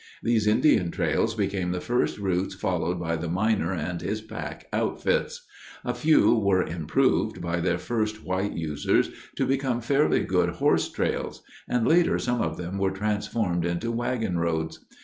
These Indian trails became the first routes followed by the miner and his pack outfits. A few were "improved" by their first white users to become fairly good horse trails and later some of them were transformed into wagon roads.